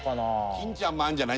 金ちゃんもあるんじゃない？